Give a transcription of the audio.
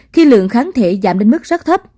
khi lượng kháng thể giảm đến mức rất thấp